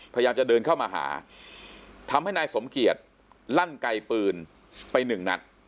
พยายามจะเดินเข้ามาหาทำให้นายสมเกียจลั่นไกลปืนไปหนึ่งนัด